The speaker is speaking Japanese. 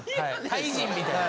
タイ人みたい。